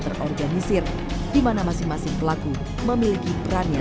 terorganisir dimana masing masing pelaku memiliki perannya